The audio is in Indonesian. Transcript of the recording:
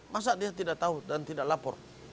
masa dia tidak tahu dan tidak lapor